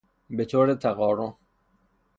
بطور تقارن